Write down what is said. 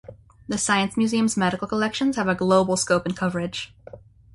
The Science Museum's medical collections have a global scope and coverage.